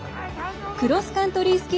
クロスカントリー